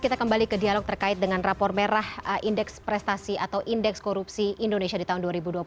kita kembali ke dialog terkait dengan rapor merah indeks prestasi atau indeks korupsi indonesia di tahun dua ribu dua puluh satu